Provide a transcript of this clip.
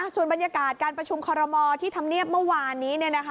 ส่วนบรรยากาศการประชุมคอรมอลที่ธรรมเนียบเมื่อวานนี้